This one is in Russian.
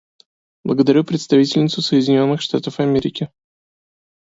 Благодарю представительницу Соединенных Штатов Америки.